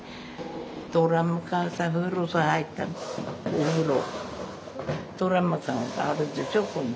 お風呂。